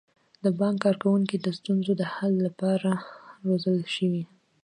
د بانک کارکوونکي د ستونزو د حل لپاره روزل شوي.